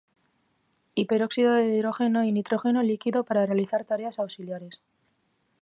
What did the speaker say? Y peróxido de hidrógeno y nitrógeno líquido para realizar tareas auxiliares.